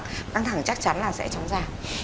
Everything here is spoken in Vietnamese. căng thẳng chắc chắn là sẽ trống giả